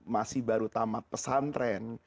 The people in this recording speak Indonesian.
masih baru tamat pesantren